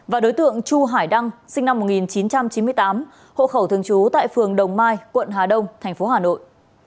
và đối tượng chu hải đăng sinh năm một nghìn chín trăm chín mươi tám hộ khẩu thường trú tại phường đồng mai quận hà đông tp hà nội